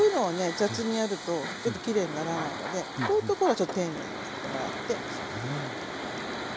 雑にやるとちょっときれいにならないのでこういうところはちょっと丁寧にやってもらって。